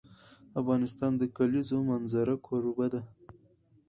افغانستان د د کلیزو منظره کوربه دی.